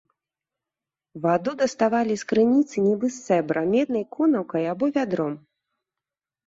Ваду даставалі з крыніцы, нібы з цэбра, меднай конаўкай або вядром.